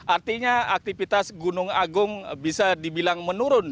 artinya aktivitas gunung agung bisa dibilang menurun